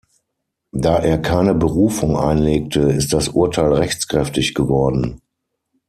Da er keine Berufung einlegte, ist das Urteil rechtskräftig geworden.